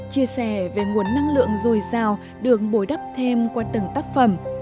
chia sẻ về nguồn năng lượng dồi dào được bồi đắp thêm qua từng tác phẩm